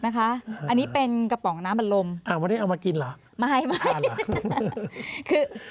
นะคะอันนี้เป็นกระป๋องน้ำบันลมอ้าววันนี้เอามากินเหรอไม่ไม่คือ